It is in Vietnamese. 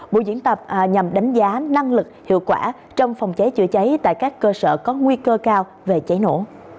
buổi diễn tập nhằm đánh giá năng lực hiệu quả trong phòng cháy chữa cháy tại các cơ sở có nguy cơ cao về cháy nổ